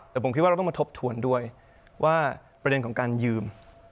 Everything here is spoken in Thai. แต่ผมคิดว่าเราต้องมาทบทวนด้วยว่าประเด็นของการยืม